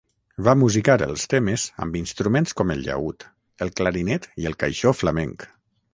Va musicar els temes amb instruments com el llaüt, el clarinet i el caixó flamenc.